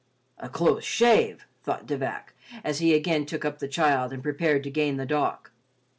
"A close shave," thought De Vac, as he again took up the child and prepared to gain the dock.